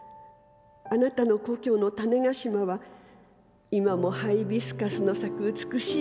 あなたの故郷の種子島は今もハイビスカスの咲く美しい島です。